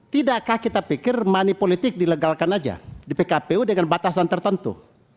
tidakkah kita pikir money politik dilegalkan saja di pkpu dengan batasan tertentu